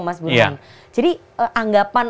mas buruan jadi anggapan